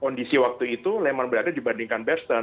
kondisi waktu itu lehman brothers dibandingkan bestern